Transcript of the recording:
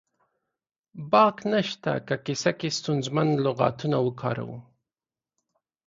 باک نه شته که کیسه کې ستونزمن لغاتونه وکاروو